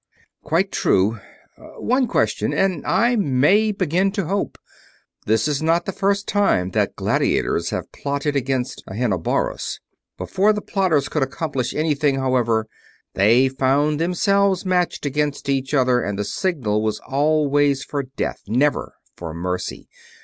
"Quite true. One question, and I too may begin to hope. This is not the first time that gladiators have plotted against Ahenobarbus. Before the plotters could accomplish anything, however, they found themselves matched against each other and the signal was always for death, never for mercy.